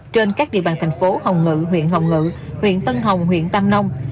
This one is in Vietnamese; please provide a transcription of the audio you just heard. trên các địa bàn thành phố hồng ngự huyện hồng ngự huyện tân hồng huyện tam nông